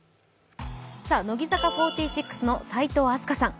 乃木坂４６の齋藤飛鳥さん。